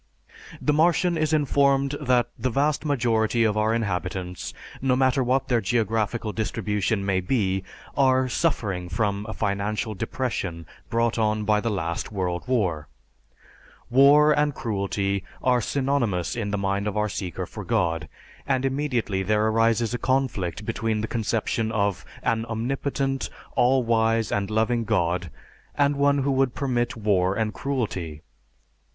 The Martian is informed that the vast majority of our inhabitants, no matter what their geographical distribution may be, are suffering from a "financial depression" brought on by the last World War. War and cruelty are synonymous in the mind of our seeker for God; and immediately, there arises a conflict between the conception of an omnipotent, all wise and loving God and one who would permit war and cruelty.